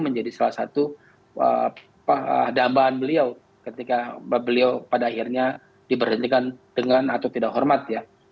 menjadi salah satu dambaan beliau ketika beliau pada akhirnya diberhentikan dengan atau tidak hormat ya